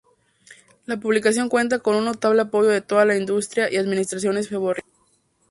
La publicación cuenta con un notable apoyo de toda la industria y administraciones ferroviarias.